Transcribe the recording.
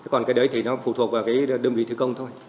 còn cái đấy thì nó phụ thuộc vào cái đơn vị thứ công thôi